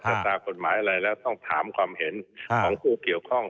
ตรากฎหมายอะไรแล้วต้องถามความเห็นของผู้เกี่ยวข้อง